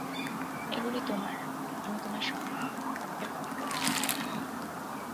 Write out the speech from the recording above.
এগুলি তোমার! আমি তোমার সন্তান, আমাকে ক্ষমা কর।